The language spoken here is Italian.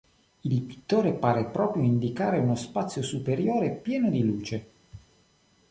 Il pittore pare proprio indicare uno spazio superiore pieno di luce.